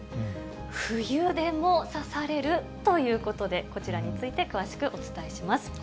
冬でも刺される？ということで、こちらについて詳しくお伝えします。